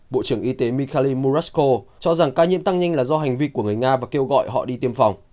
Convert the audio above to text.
bộ trưởng y tế mikhali murasko cho rằng ca nhiễm tăng nhanh là do hành vi của người nga và kêu gọi họ đi tiêm phòng